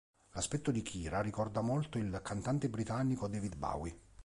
L'aspetto di Kira ricorda molto il cantante britannico David Bowie.